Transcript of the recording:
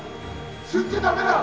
吸っちゃダメだ！